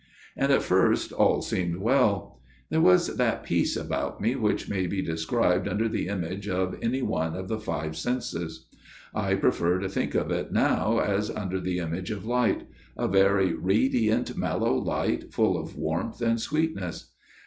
And at first all seemed well. There was that peace about me which may be FATHER GIRDLESTONE'S TALE 107 described under the image of any one of the five senses. I prefer to speak of it now as under the image of light a very radiant mellow light full of warmth and sweetness.